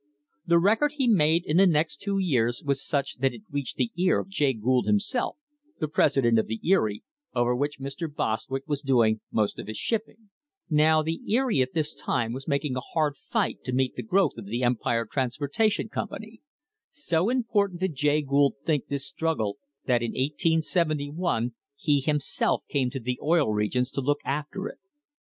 The record he made in the next two years was such that it reached the ear of Jay Gould himself, the president of the Erie, over which Mr. Bostwick was doing most of his shipping. Now the Erie at this time was making a hard fight to meet the growth [ i79] THE HISTORY OF THE STANDARD OIL COMPANY of the Empire Transportation Company. So important did Jay Gould think this struggle that in 1871 he himself came to the Oil Regions to look after it.